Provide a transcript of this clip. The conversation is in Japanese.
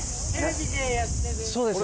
そうです。